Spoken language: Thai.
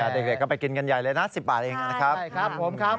เด็กก็ไปกินกันใหญ่เลยนะ๑๐บาทเองนะครับผมครับ